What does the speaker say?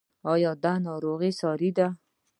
ایا دا ناروغي ساري ده؟